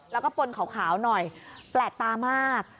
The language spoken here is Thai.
แล้วก็ปนขาวหน่อยแปลกตามาก